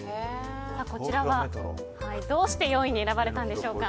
こちらは、どうして４位に選ばれたんでしょうか。